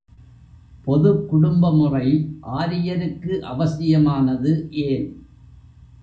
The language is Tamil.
பொதுக் குடும்பமுறை ஆரியருக்கு அவசியமானது ஏன்?